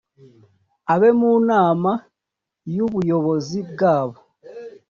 abe mu nama y ubuyobozi bwabo